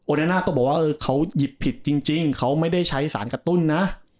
เดน่าก็บอกว่าเขาหยิบผิดจริงเขาไม่ได้ใช้สารกระตุ้นนะ